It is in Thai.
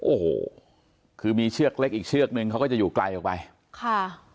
โอ้โหคือมีเชือกเล็กอีกเชือกนึงเขาก็จะอยู่ไกลออกไปค่ะ